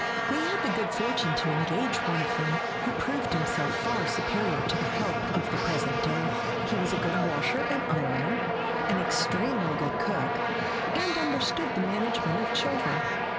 "We had the good fortune to engage one of them, who proved himself far superior SKETCHES OF TRAVEL to the '' help '' of the present day. He was a good washer and ironer, an extremely good cook, and understood the management of children.